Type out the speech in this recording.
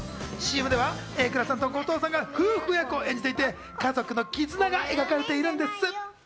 ＣＭでは榮倉さんと後藤さんが夫婦役を演じていて、家族の絆を描かれています。